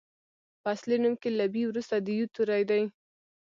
په اصلي نوم کې له بي وروسته د يوو توری دی.